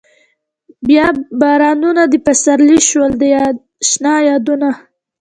بيا بارانونه د سپرلي شو د اشنا يادونه